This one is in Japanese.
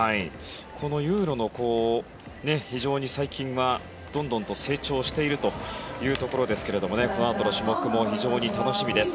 このユーロの非常に最近はどんどんと成長しているというところですけれどもこのあとの種目も非常に楽しみです。